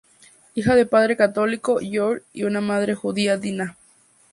Hija de padre católico, George, y una madre judía, Dinah.